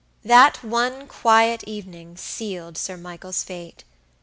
That one quiet evening sealed Sir Michael's fate.